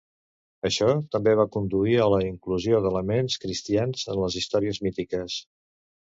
Això també va conduir a la inclusió d'elements cristians en les històries mítiques.